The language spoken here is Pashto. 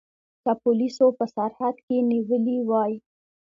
که پولیسو په سرحد کې نیولي وای.